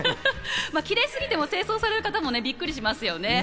キレイ過ぎても清掃される方もびっくりしますよね。